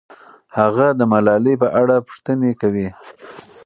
هغه د ملالۍ په اړه پوښتنې کوي.